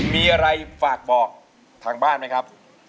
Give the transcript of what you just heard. มีอะไรฝากบอกทางบ้านไหมครับ